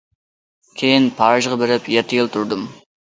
كېيىن پارىژغا بېرىپ يەتتە يىل تۇردۇم.